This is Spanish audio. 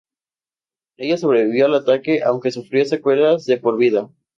Ella sobrevivió al ataque, aunque sufrió secuelas de por vida.